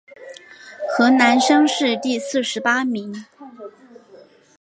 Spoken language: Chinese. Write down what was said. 河南乡试第四十八名。